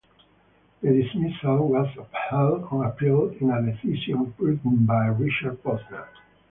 The dismissal was upheld on appeal in a decision written by Richard Posner.